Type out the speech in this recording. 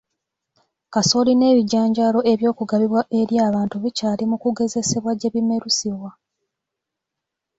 Kasooli n'ebijanjaalo eby'okugabibwa eri abantu bikyali mu kugezesebwa gye bimerusibwa